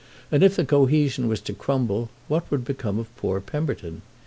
And if the cohesion was to crumble what would become of poor Pemberton?